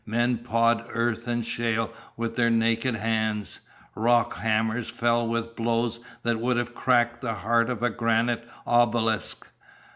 Men pawed earth and shale with their naked hands. Rock hammers fell with blows that would have cracked the heart of a granite obelisk.